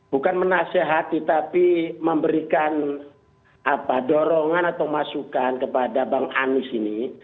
bukan menasehati tapi memberikan dorongan atau masukan kepada bang anies ini